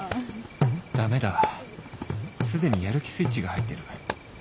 駄目だすでにやる気スイッチが入ってる